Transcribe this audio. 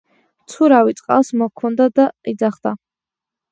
მცურავი წყალს მოჰქონდა და იძახდა